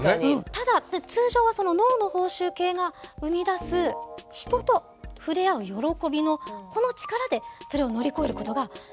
ただ通常は脳の報酬系が生み出す人と触れ合う喜びのこの力でそれを乗り越えることができるんです。